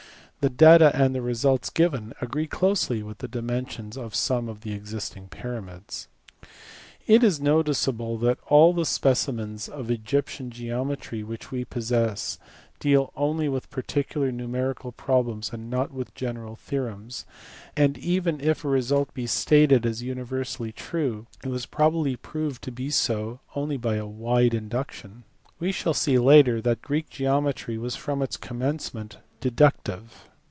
The data and the results given agree closely with the dimensions of some of the existing pyramids. It is noticeable that all the specimens of Egyptian geo metry which we possess deal only with particular numerical problems and not with general theorems ; and even if a result be stated as universally true, it was probably proved to be so only by a wide induction. We shall see later that Greek geometry was from its commencement deductive.